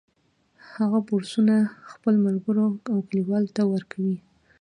هغه بورسونه خپلو ملګرو او کلیوالو ته ورکوي